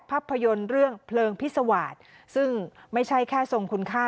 ภาพยนตร์เรื่องเพลิงพิษวาสซึ่งไม่ใช่แค่ทรงคุณค่า